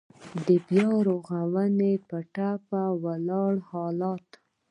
د بيا رغونې په ټپه ولاړ حالات.